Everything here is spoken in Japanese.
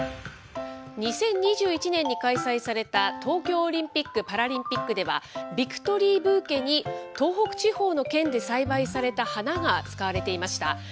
２０２１年に開催された東京オリンピック・パラリンピックでは、ビクトリーブーケに東北地方の県で栽培された花が使われていました。